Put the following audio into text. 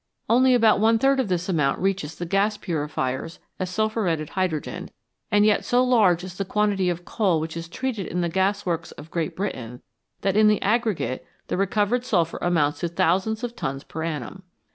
Only about one third of this amount reaches the gas purifiers as sulphuretted hydrogen, and yet so large is the quantity of coal which is treated in the gasworks of Great Britain that in the aggregate the recovered sulphur amounts to thousands of tons per annum.